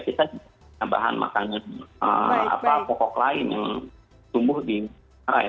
kita tambahan makanan pokok lain yang tumbuh di arah ya